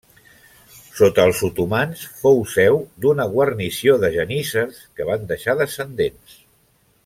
Sota els otomans fou seu d'una guarnició de geníssers que van deixar descendents.